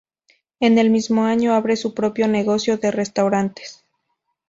En el mismo año, abre su propio negocio de restaurantes.